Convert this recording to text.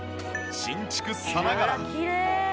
新築さながら！